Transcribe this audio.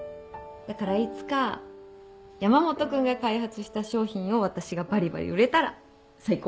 だからいつか山本君が開発した商品を私がばりばり売れたら最高。